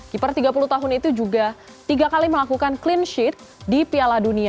keeper tiga puluh tahun itu juga tiga kali melakukan clean sheet di piala dunia dua ribu dua puluh dua